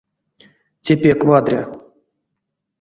Те пек вадря.